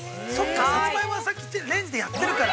◆さつまいもはさっきレンジでやっているから。